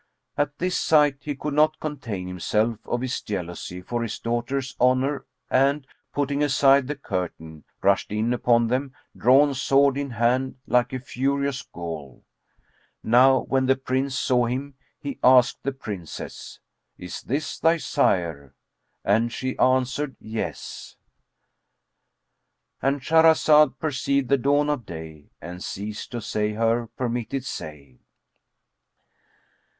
At this sight he could not contain himself, of his jealousy for his daughter's honour; and, putting aside the curtain, rushed in upon them drawn sword in hand like a furious Ghul. Now when the Prince saw him he asked the Princess, "Is this thy sire?"; and she answered, "Yes."—And Shahrazad perceived the dawn of day and ceased to say her permitted say.